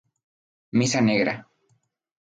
Misa negra.